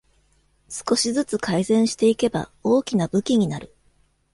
少しずつ改善していけば大きな武器になる